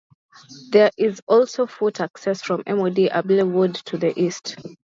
There is also foot access from MoD Abbey Wood to the east.